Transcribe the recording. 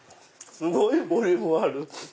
すごいボリュームある！